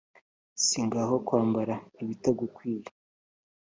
sigaho kwambara ibitagukwiye